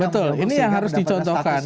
betul ini yang harus dicontohkan